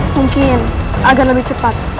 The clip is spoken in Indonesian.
mungkin agar lebih cepat